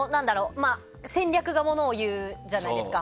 戦略がものを言うじゃないですか。